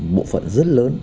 bộ phận rất lớn